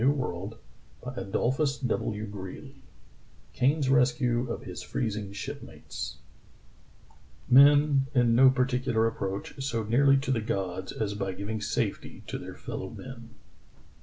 KANE'S RESCUE OF HIS FREEZING SHIPMATES KANE'S RESCUE OF HIS FREEZING SHIPMATES " Men in no particular approach so nearly to the gods as by giving safety to their fellow men."